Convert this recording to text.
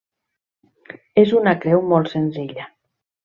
És una creu molt senzilla.